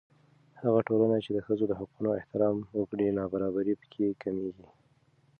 هغه ټولنه چې د ښځو د حقوقو احترام وکړي، نابرابري په کې کمېږي.